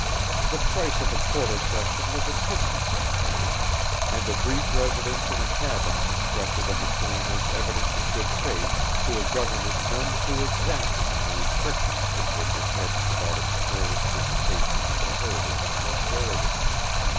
The price of a quarter section was a pittance in cash and a brief residence in a cabin constructed on the claim as evidence of good faith to a government none too exacting in the restrictions with which it hedged about its careless dissipation of the heritage of posterity.